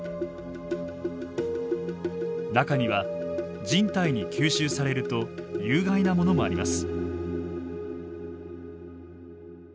中には人体に吸収されると有害なものもあります。